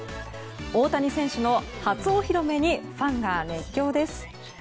大谷選手の初お披露目にファンが熱狂です。